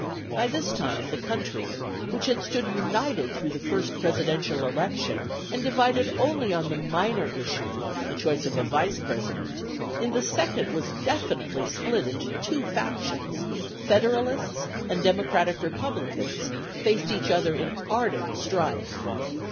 By this time the country, which had stood united through the first Presidential election, and divided only on the minor issue (the choice of a Vice President), in the second was definitely split into two factions: Federalists and Democratic Republicans faced each other in ardent strife.